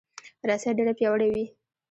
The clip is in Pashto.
رسۍ ډیره پیاوړې وي.